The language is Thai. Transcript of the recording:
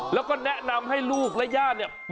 แล้วก็แนะนำให้ลูกและญาติเนี่ย